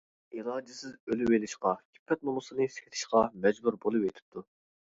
ئىلاجسىز ئۆلۈۋېلىشقا، ئىپپەت-نومۇسىنى سېتىشقا مەجبۇر بولۇۋېتىپتۇ.